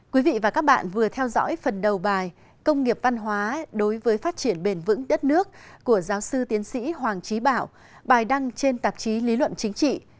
quý vị và các bạn vừa theo dõi phần đầu bài công nghiệp văn hóa đối với phát triển bền vững đất nước của giáo sư tiến sĩ hoàng trí bảo bài đăng trên tạp chí lý luận chính trị